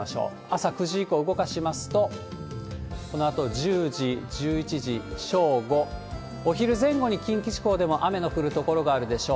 朝９時以降、動かしますと、このあと１０時、１１時、正午、お昼前後に近畿地方でも雨の降る所があるでしょう。